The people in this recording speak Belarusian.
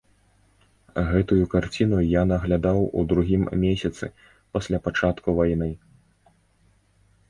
Гэтую карціну я наглядаў у другім месяцы пасля пачатку вайны.